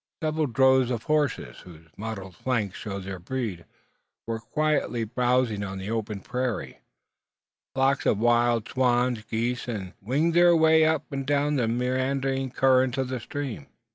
Several droves of horses, whose mottled flanks showed their breed, were quietly browsing on the open prairie. Flocks of wild swans, geese, and gruyas winged their way up and down the meandering current of the stream.